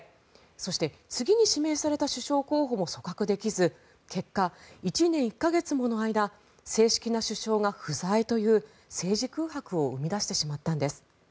そして次に指名された首相候補も組閣できず結果、１年１か月もの間正式な首相が不在という政治空白を生み出してしまったんです。